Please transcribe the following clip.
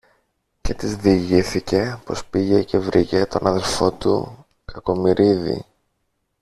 Και της διηγήθηκε πως πήγε και βρήκε τον αδελφό του Κακομοιρίδη